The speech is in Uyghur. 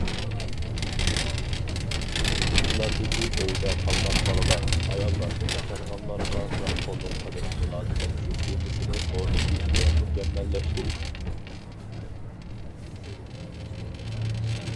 يېزىلاردىكى ئۆيىدە قالغان بالىلار، ئاياللار، ياشانغانلارغا غەمخورلۇق قىلىش مۇلازىمەت سىستېمىسىنى ئورنىتىش ۋە مۇكەممەللەشتۈرۈش.